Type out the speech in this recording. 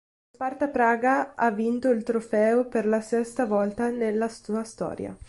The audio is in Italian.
Lo Sparta Praga ha vinto il trofeo per la sesta volta nella sua storia.